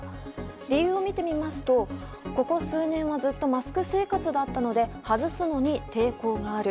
理由を見てみますと、ここ数年はずっとマスク生活だったので外すのに抵抗がある。